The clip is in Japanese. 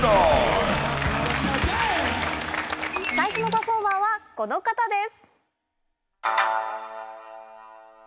最初のパフォーマーはこの方です。